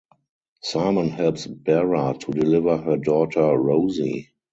Simon helps Bera to deliver her daughter Rosie.